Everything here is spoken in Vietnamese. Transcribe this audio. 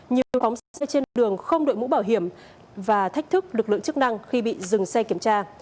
nhiều phóng xe trên đường không đội mũ bảo hiểm và thách thức lực lượng chức năng khi bị dừng xe kiểm tra